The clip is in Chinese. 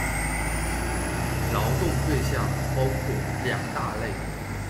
劳动对象包括两大类。